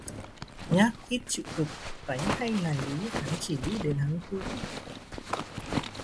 Nhác ít chịu cực, tánh hay nài ní, hắn chỉ nghĩ đến hắn thôi